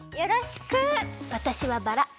わたしはバラ。